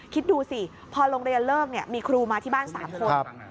คิดดูสิพอโรงเรียนเลิกมีครูมาที่บ้าน๓คน